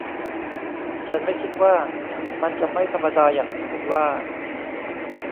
ฉันไม่คิดว่า มันจะไม่ธรรมดาอย่างที่คุณว่า